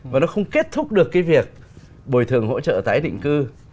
và nó không kết thúc được cái việc bồi thường hỗ trợ tái định cư